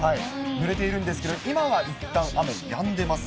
ぬれているんですけど、今はいったん雨やんでます。